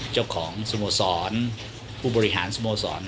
เจ้าของสโมสรผู้บริหารสโมสร